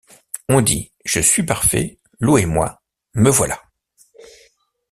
On dit: Je suis parfait! louez-moi ; me voilà !